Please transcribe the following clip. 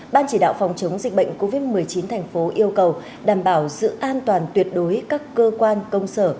ban chỉ đạo phòng chống dịch bệnh covid một mươi chín thành phố yêu cầu đảm bảo sự an toàn tuyệt đối các cơ quan công sở